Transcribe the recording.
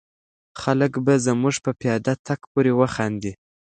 خلک به زموږ په پیاده تګ پورې وخاندي.